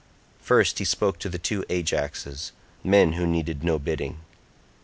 First he spoke to the two Ajaxes, men who needed no bidding.